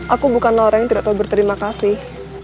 aku bukan orang yang tidak tahu berterima kasih